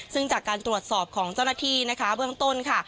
ซึ่งจากการตรวจสอบของเจ้าหน้าที่นะคะเบื้องต้นค่ะ